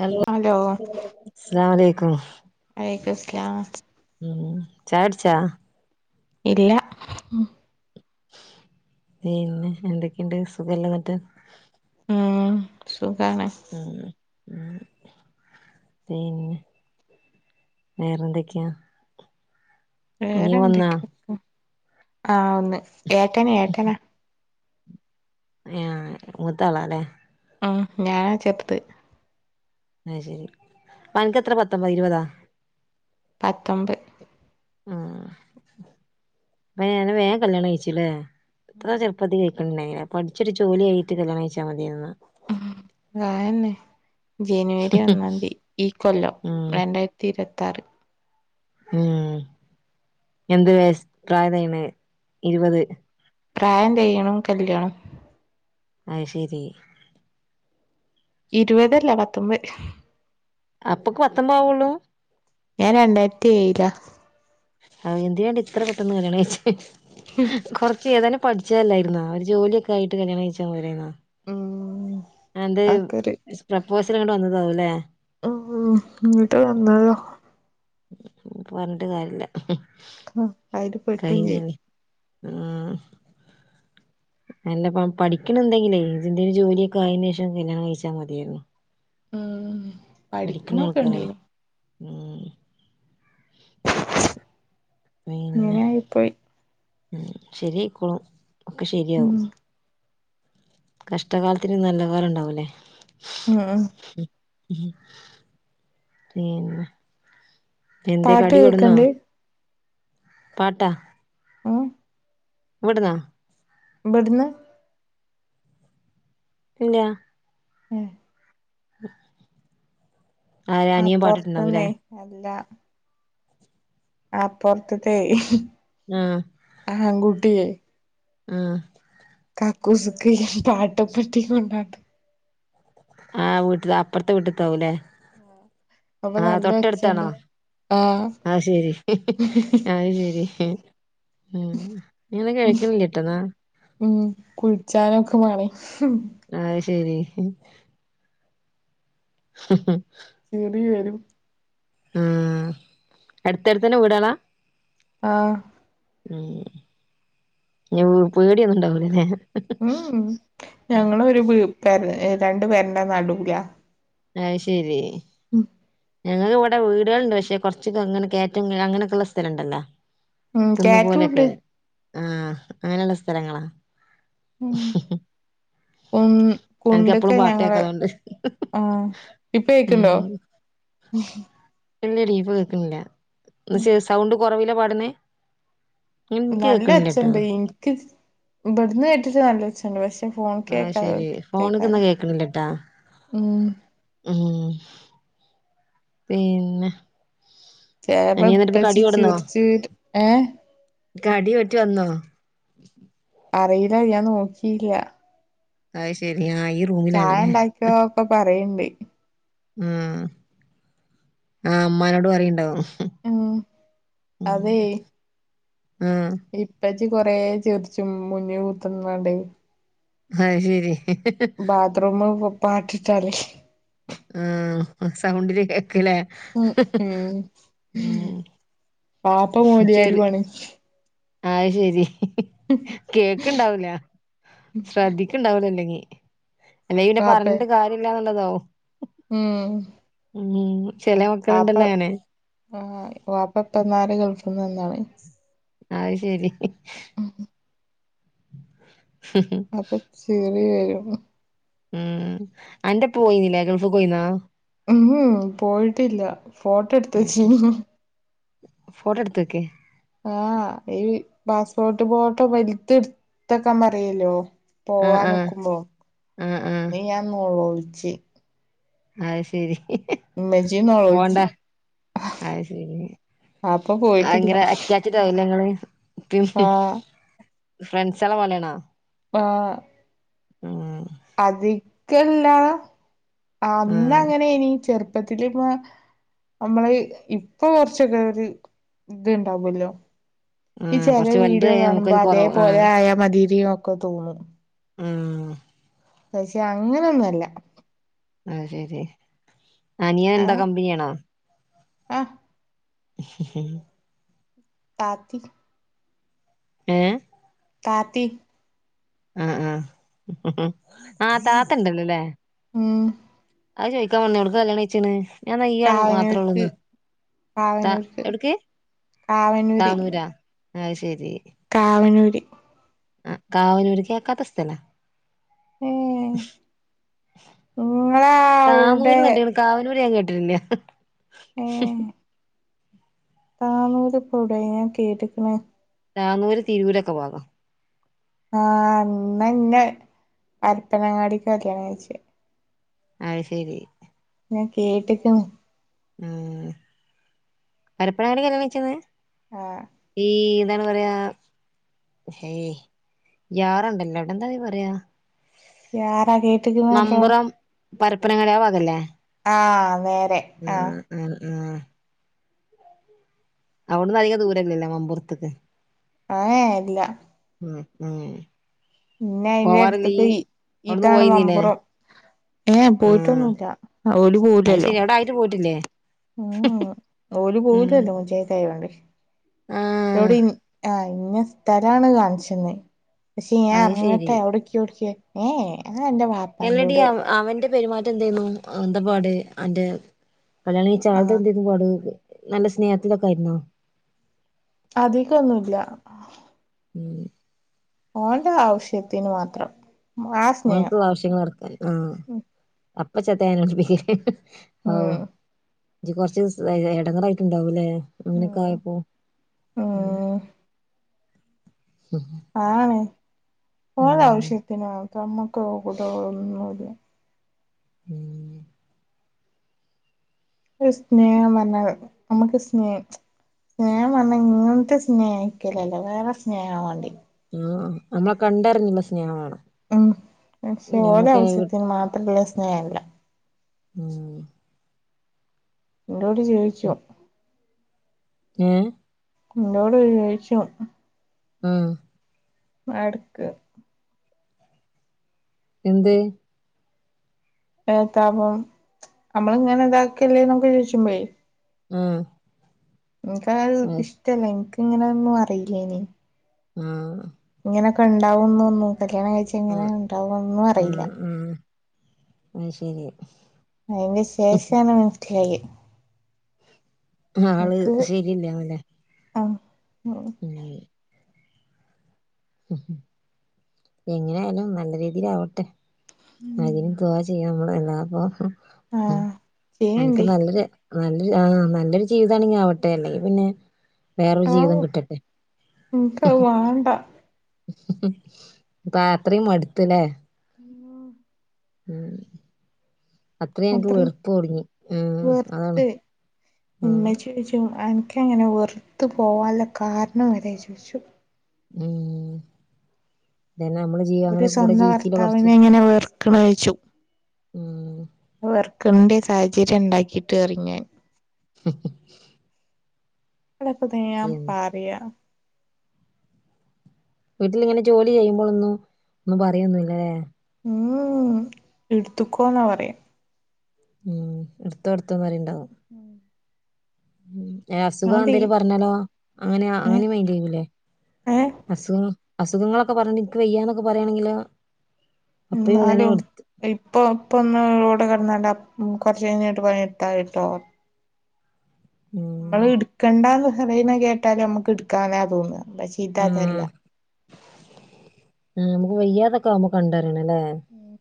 Hello സ്സലാമു അലൈക്കും വലെക്കു സ്സലാം ഉം ചായുടിച്ച ഇല്ല പിന്നെ എന്തൊക്കെണ്ട് സുഖല്ല ന്ന്ട്ട് ആഹ് സുഖാണ് മ്‌ മ് പിന്നെ വേറെ ന്തൊക്കെയാ വേറെന്തൊക്കെന്ന് ആഹ് ഒന്ന് ഏട്ടന ഏട്ടനാ ഹമൂത്തആളെല്ലെ ആഹ് ഞാനാ ചെർത് അത് ശരി പ്പ അനക്ക് എത്ര പത്തൊമ്പതോ ഇരുവതോ പത്തൊബ് ആഹ് [unintelligible] വേഗ കല്യാണം കഴിച്ല്ലേ ഇത്ര ചെർപ്പത്തിൽ ക്കഴിക്കണ്ടി ഇണ്ടായിന്നില്ല പഠിച്ച് ഒരു ജോലി ആയിട്ട് കല്യാണം കഴിച്ചാമതിയാരുന്നുന്ന അ അഅന്നെ ജനുവരി ഒന്നാം തീ ഈ കൊല്ലം ഉം രണ്ടാ തിരത്താറ് മ് എന്ത് [unintelligible] ഇരുവത് പ്രായം തെയ്യുണും കല്യണും അഹ്ശെരി ഇരുവതല്ല പത്തൊമ്പത് അപ്പൊക്ക്പത്തൊമ്പതാവുള്ളൂ ഞാൻ രണ്ടായിരത്തി ഏയിലാ അ യെന്തിനാടി ഇത്ര പെട്ടെന്ന് കല്യാണം ഉം ഹാ കഴിച്ചേ കൊറച്ച് ഏതാനും പഠിച്ചല്ലായിരുന്നോ ഒരു ജോലി ഒക്കെ ആയിട്ട് കല്യാണം കഴിച്ചാ പോരാന്നോ ം എന്ത് പ്രപ്പോസ്ല് ങ്ങ്ട് വന്നതാവുല്ലേ? ം ങ്ട്ട് വന്നതാ പറഞ്ഞിട്ട് കാര്യല്ല അതില് പെട്ടും ചെയ്തു കയിഞിലെ. ആ നല്ലപ്പ പഠിക്ക്ൺണ്ടങ്കിൽ ഇജ് എന്തെലും ജോലിയൊക്കെ ആയിന് ശേഷം കല്യാണം കഴിച്ചാമതിആയിരുന്നു മ്മ് പഠിക്ക്ണ ആൾക്കാരാണ് ഉം [inaudible] ഇങ്ങനേ ആയി പ്പോയി മ്മ് ശരിഅയിക്കോളും ഒക്കെ ശരി ഉം ആവും കഷ്ടകാലത്തിന് നല്ല കാലം ഇണ്ടാവുല്ലേ മ് ഹ് [unintelligible] പീന്നെ എന്തെ പാട്ട് കടി കൊടുന്നോ? കേക്ക്ണ്ട് പാട്ട. ഉം ഇവിടുന്നാ? ബ്ട്ന്ന് ഇല്ലാ. ഉം ആര് അനിയം പാട്ടിട്ടുണ്ടാവില്ലേ? അപ്പൊർത്ത്ന്നേ അല്ല. ആ പൊത്ത്ത്തൈ ആഹ് ആൺകുട്ടി. ം കാക്കൂസ്ക്കൈ പാട്ടൊക്കട്ട് കൊണ്ടാട്ട ആ വീട്ട്ല അപ്പർത്തെ വീട്ടിത്താവുല്ലേ? അ് അപ്പൊ നല്ല ഒച്ചീണ്ട്. ആഹ് ആഹ് ശരി ഹ്ഹ് അത് ശരി ം ംഇങ്ങനെ കേൾക്ക്ണില്ലട്ടോന്നാ. [unintelligible] ഉം കുൾച്ചാനൊക്കെ മാണെയ്. അത് ശരി ഹ് ഹ് ഹ് ചെറിയൊരു ം അട്ത്തട്ത്തന്നെ വ്ടളാ? ആഹ് മ്ഹ് പേടിയൊന്നും ഉണ്ടാവൂലല്ലെ? മ്ഹ് ഞങ്ങള് ഒരു വി പെ രണ്ടു പെരേന്റെ നടൂടിയ. അത് ശെരി. ഉം ഞങ്ങക്ക് ഇവിടെ വീടുകളുണ്ട് പക്ഷെ കൊറച്ചൊക്കങ്ങനെ കേറ്റം അങ്ങനൊക്കെയുള്ള സ്ഥലംഉണ്ടല്ലോ. ഉം കേറ്റുണ്ട് കുന്ന്പോലൊക്കെ ആഹ് അങ്ങനെള്ള സ്ഥലങ്ങളാ. ം ഉൻ എനക്ക് ഉണ്ട്ക്ക. എപ്പളും പാട്ട് കേക്കാ ഞങ്ങള് അതുകൊണ്ട് ആഹ് ഇപ്പൊ കേക്ക്ൺടോ? [unintelligible] വല് ഡീപ്പ് കേൾക്കൻല്ല അത് ആ ശരി സൗണ്ട് കൊറവില പാടുന്നേ? എനിക്ക് നല്ല കേൾക്കണില്ലട്ടോ ഒച്ഛണ്ട് ഇൻക്ക് ബ്ട്ന്ന് കേട്ടിട്ട് നല്ല ഒച്ഛണ്ട്. പക്ഷെ ഫോൺക്ക് അത്. ശെരി ഫോണക്ക്ന്ന കേക്കാതെയ്ക്കാരം കേക്കണില്ലട്ടാ ഉം ം പിന്നെ [unintelligible] ചേപ്പ അനിയ എന്നിട്ടിപ്പ പ്പച്ചി കടി ച്ർച്ചീട്ട് കടിയായിറ്റ് വന്നോ? അറീല്ല ഞാൻ നോക്കിയില്ല. അ ശരി ആ ചായ റൂമിലാണല്ലേ ഉണ്ടാക്കോ ഒക്കെ പറയണ്ട് ം ആ മ്മാനോട് പറീൻണ്ടാവും. ം അതെയ് ം ഇപ്പച്ചി കൊറെ ച്ർച്ചും മുന്നില് കൂത്ത്ർന്നാണ്ടൈ അത് ശരി ഹ്ഹ് ബാഥറൂമ് പാട്ടിട്ടാല്. [unintelligible] ആഹ് സൗണ്ടില് കേക്കലെ? ഉം ഉം പാപ്പ മോലിയരു ആണ് അയ്ശെരി കേക്കണ്ടാവൂല ശ്രദ്ധിക്കണ്ടാവലോല്ലെങ്കി അല്ല ഇനെ വാപ്പേ പറഞ്ഞിട്ട് കാര്യല്ലന്നുള്ളതാവും ഉം ഉം ചെില മക്കൾുണ്ടല്ലോ ങ്ങനെ ആ വാപ്പ എപ്പ നാല് ഗൾഫിൽ നിന്നാണ് അയ്ശരി [inaudible] അപ്പൊ ചിറി വരും ഉം അന്റെപ്പ പോയിന്നില്ലേ ഗൾഫ് പോയിന്നോ ഉം പോയിട്ടില്ല ഫോട്ടോ എടുത്ത വെച്ച ഫോട്ടോ എടുത്ത‌ക്കെ ആഹ് ഈ പാസ്പോർട്ട് ബോട്ടോ വലുത്തെ എടുത്തക്കാൻ പറയല്ലോ ആഹ് പോവാൻ ആഹ് നക്കുമ്പോ ആഹ് ആഹ് അന്ന് ഞാൻ നോളോൾച് അഹ ശരി ഉമ്മച്ചി പോണ്ട നെലോളിച്ച് അ ശരി അപ്പൊ പോയിട്ടില്ല അങ്ങനെ റ്റാച്ച്ടയോ ങ്ങള് പി ആഹ് ഫ്രണ്ട്സള പോലണോ ആ ഉം അതിക്കല്ല അന്ന ആഹ് അങ്ങനെനി ചെറുപ്പത്തില് നമ്മള് ഇപ്പൊ കൊറച്ചൊക്കെ ഒരു ഇത്ണ്ടാവല്ലോ ഈ ആഹ് ചെല കൊറച്ച് വലുത് വീഡിയോ ആയാ കാണുമ്പോ നമുക്കൊരു കൊറവ് അതേപോലെ ആഹ് ആയ മതിരിയും ഒക്കെ തോന്നും ഉം പക്ഷെ അങ്ങനെയൊന്നു ല്ല അ ശെരി അനിയൻ എന്താ അങ്ങനെ കമ്പനിയണോ ആ [unintelligible] താത്തി ഏ കാത്തി ആ ആഹ് ആ താത്തണ്ടല്ലോ ല്ലേ ഉം അത് ചോയ്ക്കാൻ പറഞ്ഞു എവിടക്കാ കല്യാണം കച്ചണ് ഞാൻ നെയ്യ ആണ് കാവനൂർക്ക് മാത്രേള്ളൂന്ന് ത കാവനൂർക്ക് എവിടക്ക് കാവനൂര് താനൂരാ ആഹ് ശരി കാവനൂര് ആ കാവനൂർ കേക്കാത്തസ്ഥല്ല ഏ നിങ്ങള താനൂർ അവിടെ കെട്ടിന് കാവനൂര് ഞാൻ കേട്ടിട്ടില്ല താനൂര്പ്പടായി ഞാൻ കേട്ടക്കണെ താനൂർ തിരൂരൊക്കെ പോകാം ആ ന്നാ ഇന്നെ പരപ്പനങ്ങാടിക്ക കല്യാണം കയ്ച്ചേ അയ്ഷരി ഞാൻ കേട്ടിക്കണ് ഉം പരപ്പനങ്ങാടിക്കാ കല്യാണം കയ്ചിനെ ആ ഈ എന്ത പറയാ ഹേയ് ജാറുണ്ടല്ല എവിടെന്താ പറയാ യാറാ കേട്ട്ക്ക്ണല്ലോ നമ്പുറം പരപ്പനങ്ങാടി ആ ഭാഗല്ലേ ആ നേരെ ഉം ആ ഉം ഉം ഉം അവിടന്ന് അതിക ദൂര ഇല്ലെല്ലോ മമ്പൂറത്തക്ക് ഏഹ് ഇല്ല ഉം ഉം പിന്നെ പോവാറില്ലേ അയ്ന്റെട്ത്ത്ക്ക് ഇയ്യ് അവിടന്ന് ഇതാണ് പോയിന്നീല്ലേ മമ്പുറം ഏഹ് ഉം പോയിട്ടൊന്നുല്ല അ ഓല് അത് പോവൂലല്ലോ ശരി അവിടെ ആയിട്ട് പോയിട്ടില്ലേ ഊ ഉം ഓല് ഉം പോവൂലല്ലോ മുജായ്ദായോണ്ട് ന്നോട് ആഹ് ഇൻ ആഹ് ഇന്ന സ്ഥലാണ് കാണ്ച്ചെന്ന് പക്ഷെ ഞാൻ അത് ശരി എർങ്ങട്ടെ അവ്ടെ [unintelligible] ഏഹ് അത് അന്റെ വാ എല്ലെടി അവ് അവന്റെ പെര്മാറ്റെന്തേന്നു എന്താപാട് അന്റെ കല്യാണം കയ്ച്ച ആഹ് ആൾതെന്തേനി പാട് നല്ല സ്നേഹത്തിലൊക്കെ ആയിര്ന്നോ അതികൊന്നുല്ലാ മ ഓൾത് ആവശ്യത്തിന് മാത്രം ആ സ്നേഹം ഓന്ക്ക്ള്ള ആവശ്യങ്ങള് നടത്താന് ആഹ് ഉം അപ്പ ചത്തയാന് [unintelligible] ഔ ഉം ഇജ് കൊർച്ച് സ് എ എടെങ്ങേറായിട്ട്ണ്ടാവുലേ അങ്ങനെക്കെ ഉം ആയപ്പോ ഉം അആണ് ഉം ഓലാശ്യത്തിന്ക്കെ നമ്മക്ക് [unintelligible] കൂട്ടൊന്നുല്ലാ ഊം ഒര് സ്നേഹം പർഞ്ഞാത് നമ്മ്ക്ക് സ്നേ സ്നേഹം പർഞ്ഞാ ഇങ്ങൻത്തെ സ്നേഹിക്കലല്ലാ വേറെ സ്നേഹാ വാണ്ട്യേ ആഹ് നമ്മളെ കണ്ടറഞ്ഞ്ള്ളെ സ്നേഹ വാണം ഉം പക്ഷെ ഓലെ ആവ്സ്യത്തിന് മാത്രമല്ല സ്നേഹ അല്ലാ ഊം ഇന്നോട് ചോയ്ച്ചും ഏഹ് ഇന്നോട് ചോയ്ച്ചും ആഹ് എട്ക്ക് എന്ത് ഏത്താപ്പം അമ്മള്ങ്ങനെ താക്കല്ലേന്നൊക്കെ ചോയ്ച്ചുമ്പളേ ആഹ് അത് ഇൻക്കങ്ങനൊന്ന് ശരി ഇഷ്ടല്ലേനി ഇൻക്ക്ങ്ങനെ ഒന്നും അറീല്ലേനി ആഹ് ഇങ്ങനെക്കെ ണ്ടാവുന്നൊന്നും കല്യാണ കയ്ച്ചാ ആഹ് ഇങ്ങനെണ്ടാവും ഒന്നും അറീലാ ആയ്ശെരി അയ്ന് ശേഷാണ് മനസ്സ്ലായെ ആള് ശെരില്ലാവുലെ ആഹ് ഓഹ് [unintelligible] ഉ എങ്ങനേയാലും നല്ല രീതീലാവട്ടെ അതിന് ഉം ദുആ ചെയ്യാം മ്മള് അല്ലാതെപ്പൊ ആഹ് അൻക്ക് ചെയ്യണ്ടി നല്ലൊര് നല്ലൊര് ആഹ് നല്ലൊര് ജീവിതാണെങ്കി ആവട്ടെ അല്ലെങ്കിൽ പിന്നെ വേറൊരു ആവൂ ജീവിതം കിട്ടട്ടെ എനിക്കത് വാണ്ട പ്പാ അത്രിം മട്ത്ത്ലെ മം [unintelligible] ഊം അത്രേയും അൻക്ക് അത്രയും വെർപ്പ് കുട്ങ്ങി ഉം അതാണ് ഉം ട്ടും അൻക്കങ്ങനെ വെർത്ത് പോവാള്ള കാരണം വരെ ചോയ്ച്ചു ഊം തെന്നെ അമ്മള് ജി ഒര് സ്വന്തം ഭർത്താവിനെ എങ്ങെനെ വെർക്ക്ണേയ്ച്ചും ഉം വെർക്കണ്ട സാഹചര്യം ഉണ്ടാക്കിട്ട് ഇറങ്ങിയാൻ [inaudible] ഇടെക്ക ത ഞാൻ പറയാ വീട്ടിലിങ്ങനെ ജോലി ചെയ്യുമ്പോളൊന്നും ഒന്നും പറയൊന്നുംല്ലല്ലേ ഉം എടുത്തക്കോന്നാ പറയ ഉം എടത്തോ എടുത്തോ പറയുണ്ടാവും ഉം ഉം അസുഖ എന്തേലും പറഞ്ഞാലോ അങ്ങനെ ഏ അങ്ങനെ മൈൻഡ് ചെയ്യുല്ലെ ഏ അസുഖം അസുഖങ്ങളൊക്കെ പറഞ്ഞിനിക്ക് വെയ്യന്നൊക്കെ പറയാണെങ്കിലോ അപ്പഴും അതന്നെ എന്നാലും എടുത്ത് ഇപ്പൊ ഇപ്പ ഒന്ന് റോഡ് കിടന്നണ്ട കുറച്ച കഴിഞ്ഞട്ട് പണി എടുത്തയിട്ടോ ഉം നമ്മള് എടുക്കണ്ടാ എന്ന് പറയുന്ന കേട്ടാലേ നമ്മുക്ക് എടുക്കാനാ തോന്ന ഉം ഉം നമുക്ക് വയതേ ഒക്കെ ആവുമ്പോ കണ്ടറിയണം അല്ലേ ഉം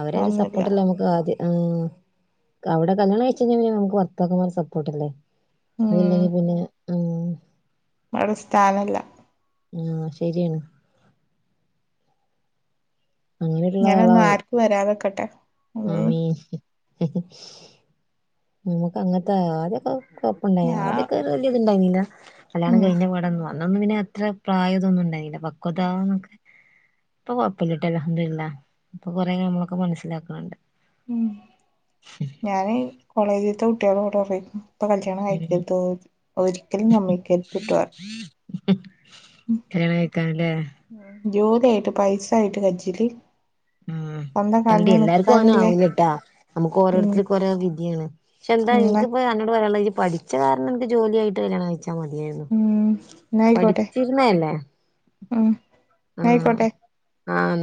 അവര ഒരു അതൊന്നുല്ല സപ്പോർട്ടല്ലേ നമുക്ക് അത് ആഹ് അവിടെ കല്യാണം കഴിച്ചഴിഞ്ഞ നമക്ക് ഭർത്താക്കന്മാരെ സപ്പോർട്ട് അല്ലേ അതില്ലെങ്കിൽ പിന്നെ ഇങ്ങ ഉം ഒരു സ്ഥാനില്ല ഉം ശരിയാണ് ഇനിയുള്ള ഇങ്ങനൊന്നും ആളാവും ആർക്കും വരാതെക്കട്ടെ ഉം ആമീൻ നമുക്ക് അങ്ങനത്തെ ആദ്യൊക്കെ കുഴപ്പ ഇണ്ടായി ഞാ ആദ്യൊക്കെ വല്യ ഇതുണ്ടായിന്നില്ല കല്യാണം ഉം കഴിഞ്ഞ പാടന്ന് വാ അന്നൊന്നും പിന്നെ അത്ര പ്രായമതൊന്നും ഉണ്ടായില്ല പക്വതന്നൊക്കെ ഇപ്പൊ കൊഴപ്പമില്ലട്ട അഹബ്തുള്ള ഇപ്പൊ കൊറെ നമ്മളൊക്കെ മനസ്സിലാക്കണണ്ട് ഉം ശരി ഞാന് കോളേജിലത്തെ കുട്ടികളോടെ പറയിന്നു ഇപ്പൊ കല്യാണം ഉം കഴിക്കരുത് ഒരിക്കലും സമ്മതിക്കരുത് ട്ടോ പറയും കല്യാണം കഴക്കൻല്ലേ ജോലി ആയിട്ട് പൈസ ആയിട്ട് കജ്ജലി ഉം എന്റെ എല്ലാർക്കും അവന നിക്കാനില്ലേ ആവില്ലട്ടാ നമ്മുക്ക് ഉം ഓരോരുത്തർക്ക് ഓരോ വിധയാണ് ഇന്നാ പക്ഷെന്താനിക്കിപ്പൊ എന്നോട് പറയാനുള്ളത് പഠിച്ച കാരണം നിക്ക് ജോലി ആയിട്ട് കല്യാണം കഴിച്ച മതി ച്ച മതിയായിരുന്നു ഉം ഇന്നാ അയ്ക്കോട്ടെ പഠിച്ചിരുന്നല്ലേ എന്ന ആഹ് ആയിക്കോട്ടെ ആഹ്